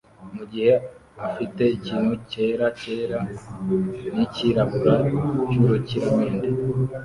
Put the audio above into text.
mugihe afite ikintu cyera cyera nicyirabura cyurukiramende